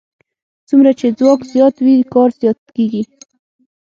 څومره چې ځواک زیات وي کار زیات کېږي.